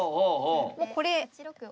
もうこれ。